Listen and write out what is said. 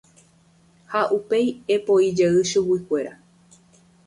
Ha upéi epoijey chuguikuéra.